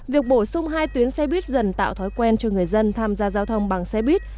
việc bổ sung hai tuyến xe buýt dần tạo thói quen cho người dân tham gia giao thông bằng xe buýt